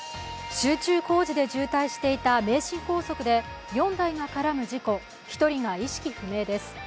集中工事で渋滞していた名神高速で４台が絡む事故、１人が意識不明です。